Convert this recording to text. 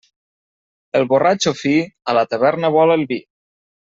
El borratxo fi, a la taverna vol el vi.